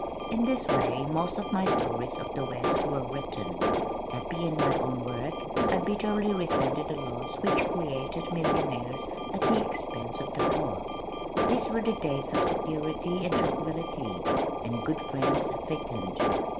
In this way most of my stories of the west were written. Happy in my own work, I bitterly resented the laws which created millionaires at the expense of the poor. These were days of security and tranquillity, and good friends thickened.